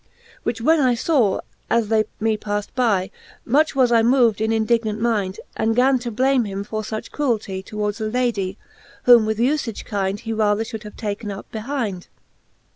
XL Which when I faw, as they me palled by, Much was I moved in indignant mind, And gan to blame him for luch cruelty Towards a Ladie, whom with ufage kind He rather Ihould have taken up behind.